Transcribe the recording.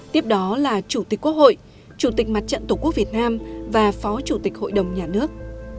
tiếp đó là chủ tịch quốc hội chủ tịch mặt trận tổ quốc việt nam và phó chủ tịch hội đồng nhà nước